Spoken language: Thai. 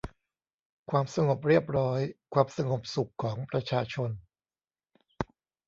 ความสงบเรียบร้อย ความสงบสุขของประชาชน